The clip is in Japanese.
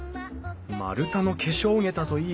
丸太の化粧桁といい